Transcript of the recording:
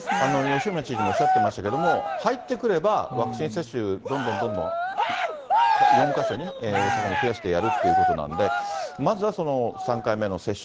吉村知事もおっしゃってましたけど、入ってくれば、ワクチン接種、どんどんどんどん、４か所に、大阪も増やしてやるってことなので、まずは３回目の接種。